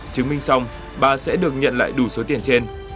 chứng minh xong bà sẽ được nhận lại đủ số tiền trên